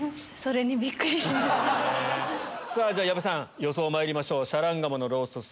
さぁ矢部さん予想まいりましょう。